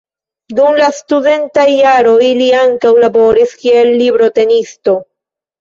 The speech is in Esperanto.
Dum la studentaj jaroj li ankaŭ laboris kiel librotenisto.